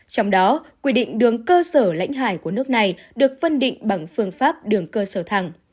trong đó quy định đường cơ sở lãnh hải của nước này được phân định bằng phương pháp đường cơ sở thẳng